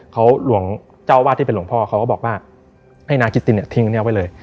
เขาหลวงเจ้าวาดที่เป็นหลวงพ่อเขาก็บอกว่าให้นางกิตตินเนี่ยทิ้งตรงนี้ไว้เลย